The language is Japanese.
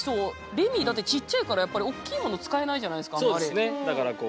レミーだってちっちゃいからやっぱりおっきいもの使えないじゃないですかあんまり。